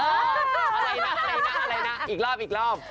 อะไรนะอะไรนะอีกรอบ